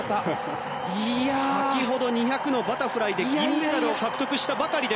先ほど２００バタフライで銀メダルを獲得したばかり。